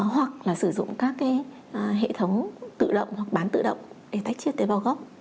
hoặc là sử dụng các hệ thống tự động hoặc bán tự động để tách chết tế bảo gốc